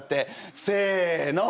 せの！